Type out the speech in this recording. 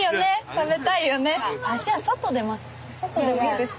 あっじゃあ外出ます。